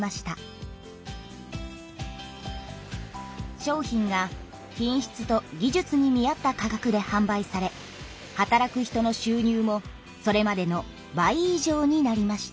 商品が品質と技術に見合った価格ではん売され働く人のしゅう入もそれまでの倍以上になりました。